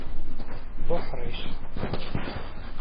D uḥṛic.